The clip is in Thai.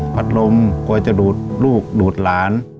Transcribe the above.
พัดลมกลัวจะดูดลูกดูดหลาน